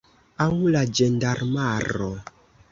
Aŭ la ĝendarmaro.